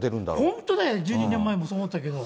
本当ね、１２年前もそう思ったけど。